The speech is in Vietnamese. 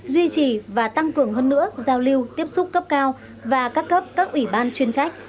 duy trì và tăng cường hơn nữa giao lưu tiếp xúc cấp cao và các cấp các ủy ban chuyên trách